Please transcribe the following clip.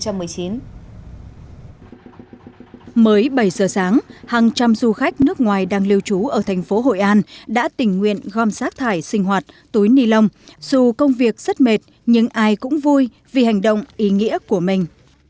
mới bảy giờ sáng hàng trăm du khách nước ngoài đang lưu trú ở thành phố hội an đã tình nguyện gom rác thải sinh hoạt túi ni lông dù công việc rất mệt nhưng ai cũng vui vì hành động ý nghĩa của mình